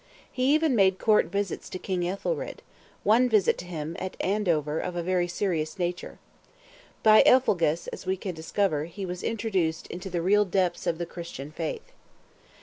He even made court visits to King Ethelred; one visit to him at Andover of a very serious nature. By Elphegus, as we can discover, he was introduced into the real depths of the Christian faith.